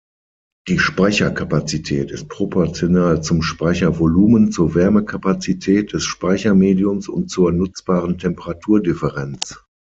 Die Speicherkapazität ist proportional zum Speichervolumen, zur Wärmekapazität des Speichermediums und zur nutzbaren Temperaturdifferenz.